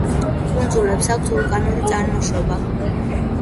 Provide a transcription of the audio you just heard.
კუნძულებს აქვთ ვულკანური წარმოშობა.